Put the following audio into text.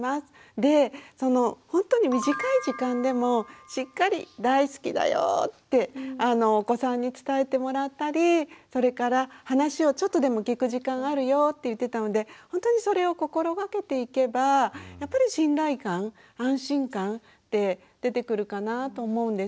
でそのほんとに短い時間でもしっかり「大好きだよ」ってお子さんに伝えてもらったりそれから話をちょっとでも聞く時間あるよって言ってたのでほんとにそれを心がけていけばやっぱり信頼感安心感って出てくるかなと思うんです。